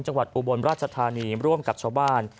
อุบลราชธานีร่วมกับชาวบ้าน